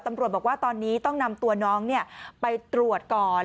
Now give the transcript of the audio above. ตำรวจบอกว่าตอนนี้ต้องนำตัวน้องไปตรวจก่อน